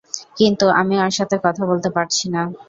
কিন্তু আমি ওর সাথে কথা বলতে পারছি না।